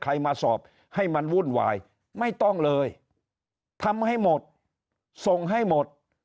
ใครมาสอบให้มันวุ่นวายไม่ต้องเลยทำให้หมดส่งให้หมด